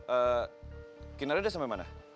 eee kinar nya udah sampai mana